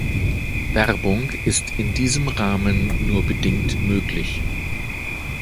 Werbung ist in diesem Rahmen nur bedingt möglich.